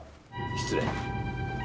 失礼。